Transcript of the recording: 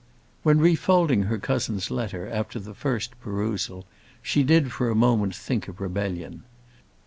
When refolding her cousin's letter, after the first perusal, she did for a moment think of rebellion.